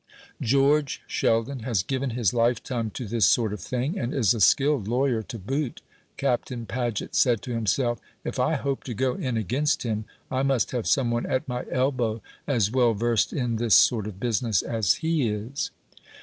"George Sheldon has given his lifetime to this sort of thing, and is a skilled lawyer to boot," Captain Paget said to himself. "If I hope to go in against him, I must have someone at my elbow as well versed in this sort of business as he is."